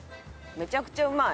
めちゃくちゃうまい。